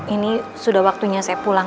ini sudah waktunya saya pulang